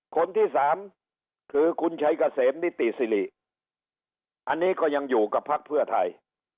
คนที่สามคือคุณชัยเกษมนิติสิริอันนี้ก็ยังอยู่กับพักเพื่อไทย